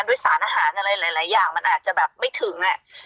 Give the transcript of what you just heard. ด้วยสารอาหารอะไรหลายอย่างมันอาจจะแบบไม่ถึงอ่ะ